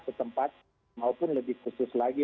setempat maupun lebih khusus lagi